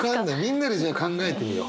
みんなでじゃあ考えてみよう。